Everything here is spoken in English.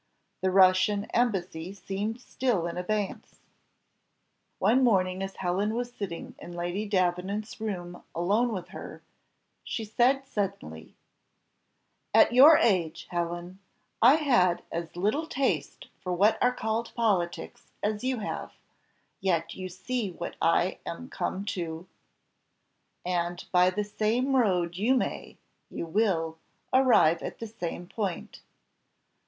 The Russian embassy seemed still in abeyance. One morning as Helen was sitting in Lady Davenant's room alone with her, she said suddenly: "At your age, Helen, I had as little taste for what are called politics as you have, yet you see what I am come to, and by the same road you may, you will, arrive at the same point."